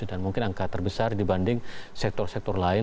mungkin angka terbesar dibanding sektor sektor lain